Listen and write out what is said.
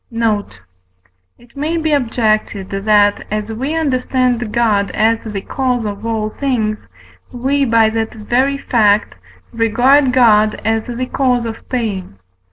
Note. It may be objected that, as we understand God as the cause of all things, we by that very fact regard God as the cause of pain.